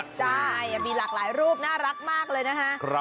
ใช่มีหลากหลายรูปน่ารักมากเลยนะคะ